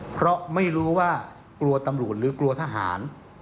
เพราะไม่รู้ว่ากลัวตำรวจหรือกลัวทหาร